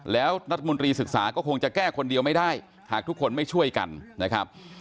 แล้วรัฐมนตรีศึกษาก็คงจะแก้คนเดียวไม่ได้หากทุกคนไม่ช่วยกันนะครับ